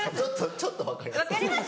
ちょっと分かります。